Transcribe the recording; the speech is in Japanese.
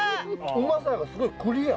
うまさがすごいクリア。